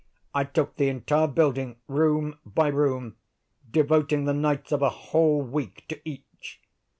I took the entire building, room by room; devoting the nights of a whole week to each.